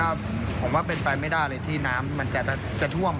ผมว่าเป็นไปไม่ได้เลยที่น้ำมันจะท่วม